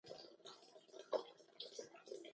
د پرېښوول شوو موټرو او د بار ګاډیو پرته.